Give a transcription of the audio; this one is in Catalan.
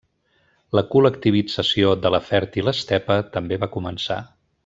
La col·lectivització de la fèrtil estepa també va començar.